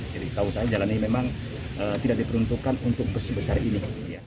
jadi tahu saya jalan ini memang tidak diperuntukkan untuk bus besar ini